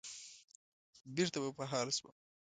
بېرته به په حال شوم.